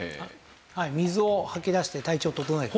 水を吐き出して体調を整える。